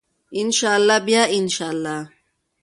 ان شاء الله بیا ان شاء الله.